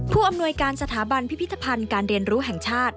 ผู้อำนวยการสถาบันพิพิธภัณฑ์การเรียนรู้แห่งชาติ